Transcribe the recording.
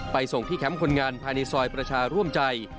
ส่งที่แคมป์คนงานภายในซอยประชาร่วมใจ